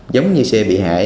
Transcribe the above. giống như xe bị hại